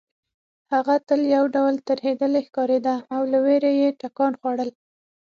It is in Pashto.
هغه تل یو ډول ترهېدلې ښکارېده او له وېرې یې ټکان خوړل